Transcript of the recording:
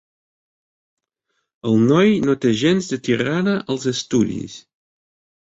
El noi no té gens de tirada als estudis.